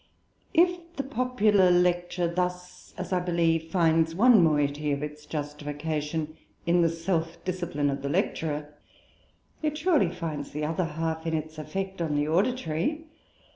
If the popular lecture thus, as I believe, finds one moiety of its justification in the self discipline of the lecturer, it surely finds the other half in its effect on the auditory.